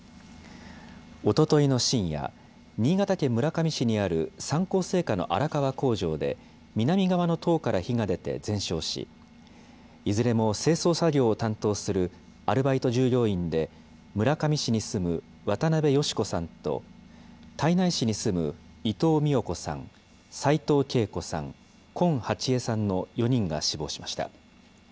おとといの深夜、新潟県村上市にある三幸製菓の荒川工場で、南側の棟から火が出て全焼し、いずれも清掃作業を担当するアルバイト従業員で村上市に住む渡邊芳子さんと、胎内市に住む伊藤美代子さん、齋藤慶子さん、近ハチヱさんの４人が死亡しました。